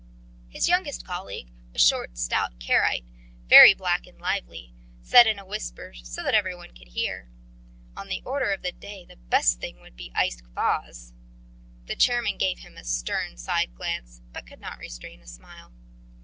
His youngest colleague, a short, stout Karaite, very black and lively, said in a whisper so that every one could hear: "On the order of the day, the best thing would be iced kvas..." The chairman gave him a stern side glance, but could not restrain a smile.